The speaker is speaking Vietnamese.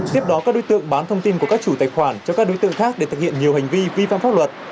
tiếp đó các đối tượng bán thông tin của các chủ tài khoản cho các đối tượng khác để thực hiện nhiều hành vi vi phạm pháp luật